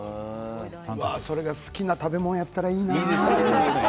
それが好きな食べ物だったらいいな。